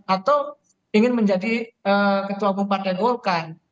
atau ingin menjadi ketua bupata golkar